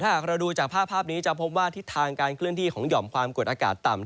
หากเราดูจากภาพนี้จะพบว่าทิศทางการเคลื่อนที่ของห่อมความกดอากาศต่ำ